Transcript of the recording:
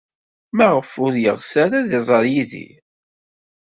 Maɣef ur yeɣs ara ad iẓer Yidir?